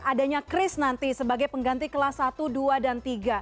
adanya kris nanti sebagai pengganti kelas satu dua dan tiga